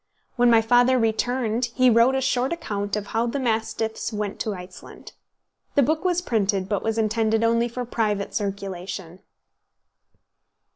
When my father returned, he wrote a short account of How the "Mastiffs" went to Iceland. The book was printed, but was intended only for private circulation.